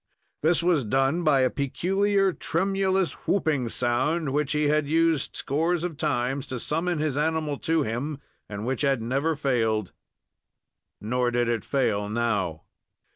This was done by a peculiar, tremulous whooping sound, which he had used scores of times to summon his animal to him, and which had never failed. Nor did it fail now.